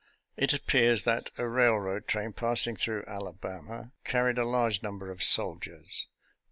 It appears that a railroad train passing through Alabama car ried a large number of soldiers.